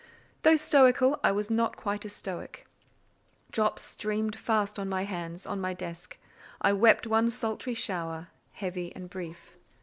Though stoical, I was not quite a stoic; drops streamed fast on my hands, on my desk: I wept one sultry shower, heavy and brief.